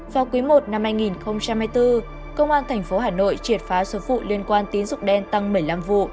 vào quý i năm hai nghìn hai mươi bốn công an tp hà nội triệt phá số vụ liên quan tín dụng đen tăng một mươi năm vụ